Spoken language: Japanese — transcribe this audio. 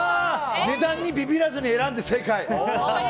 値段にビビらずに選んで正解！